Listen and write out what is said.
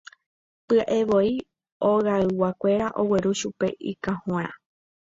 Py'aevoi hogayguakuéra ogueru chupe ikahõrã.